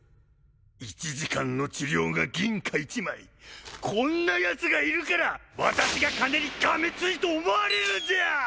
１時間の治療が銀貨１枚こんなヤツがいるから私が金にがめついと思われるんじゃ！